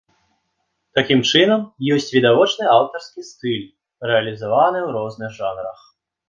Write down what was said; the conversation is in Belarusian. Такім чынам, ёсць відавочны аўтарскі стыль, рэалізаваны ў розных жанрах.